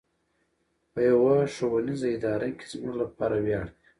په يوه ښوونيزه اداره کې زموږ لپاره وياړ دی.